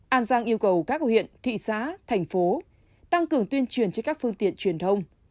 an giang yêu cầu các hội hiện thị xã thành phố tăng cường tuyên truyền cho các phương tiện truyền thông